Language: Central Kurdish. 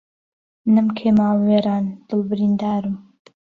نەم کەی ماڵ وێران دڵ بریندارم